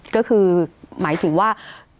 ก็คือหมายถึงว่า